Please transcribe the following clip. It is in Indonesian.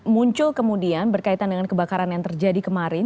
muncul kemudian berkaitan dengan kebakaran yang terjadi kemarin